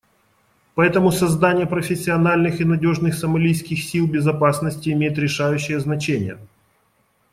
Поэтому создание профессиональных и надежных сомалийских сил безопасности имеет решающее значение.